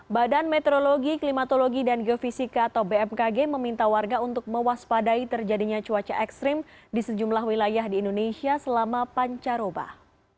badan meteorologi klimatologi dan geofisika atau bmkg meminta warga untuk mewaspadai terjadinya cuaca ekstrim di sejumlah wilayah di indonesia selama pancarobah